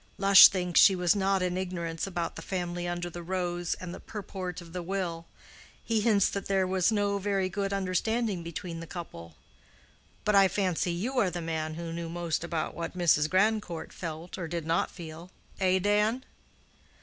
Lush thinks she was not in ignorance about the family under the rose, and the purport of the will. He hints that there was no very good understanding between the couple. But I fancy you are the man who knew most about what Mrs. Grandcourt felt or did not feel—eh, Dan?"